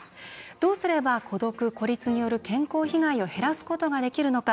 どうすれば孤独・孤立による健康被害を減らすことができるのか。